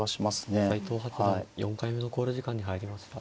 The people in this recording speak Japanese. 斎藤八段４回目の考慮時間に入りました。